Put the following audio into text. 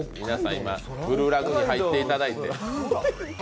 今、ブルーラグーンに入っていただいて。